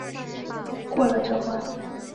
过了这关